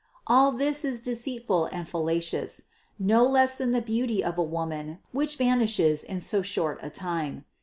All this is deceitful and fallacious, no less than the beauty of a woman, which vanishes in so short a time.